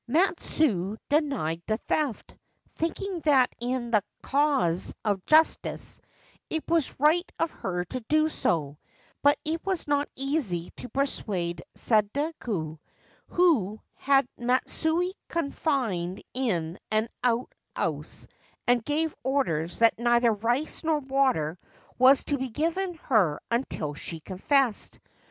Matsue denied the theft, thinking that in the cause of justice it was right of her to do so ; but it was not easy to persuade Sadako, who had Matsue confined in an out house and gave orders that neither rice nor water was to be given her until she confessed.